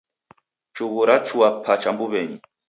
Chughu rachua pacha mbuw'enyi